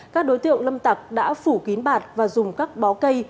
các đối tượng lâm tặc đã phủ kín bạt và dùng các bó cây